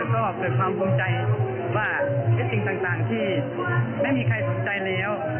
ก็เกิดความภูมิใจว่าเท็จสิ่งต่างที่ไม่มีใครสนใจแล้ว